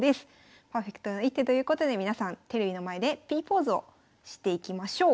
パーフェクトな一手ということで皆さんテレビの前でＰポーズをしていきましょう。